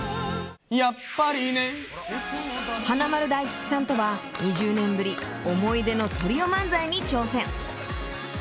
華丸・大吉さんとは２０年ぶり思い出のトリオ漫才に挑戦。